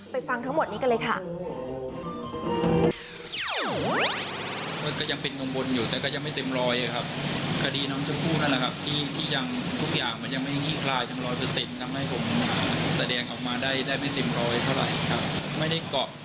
ฟังทั้งหมดนี้กันเลยค่ะ